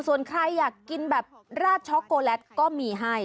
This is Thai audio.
ส่วนใครอยากกินแบบราดช็อกโกแลตก็มีให้